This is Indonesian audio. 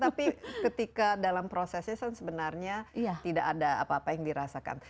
tapi ketika dalam prosesnya kan sebenarnya tidak ada apa apa yang dirasakan